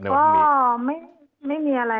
ก็ไม่มีอะไรนะคะ